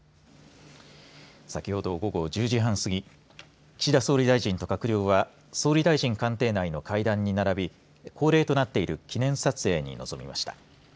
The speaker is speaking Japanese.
先ほど午後１０時半すぎ岸田総理大臣と閣僚は総理大臣官邸内の階段に並び恒例となっている記念撮影に臨みました。